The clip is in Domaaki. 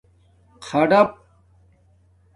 خَڈپ